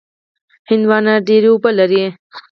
هندوانه ډېره اوبه لري.